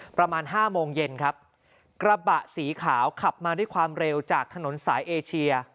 ประมาณห้าโมงเย็นครับกระบะสีขาวขับมาด้วยความเร็วจากถนนสายเอเชีย